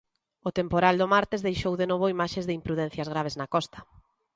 O temporal do martes deixou de novo imaxes de imprudencias graves na costa.